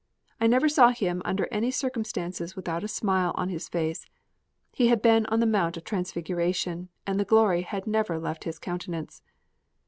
I never saw him under any circumstances without a smile on his face. He had been on the Mount of Transfiguration, and the glory had never left his countenance.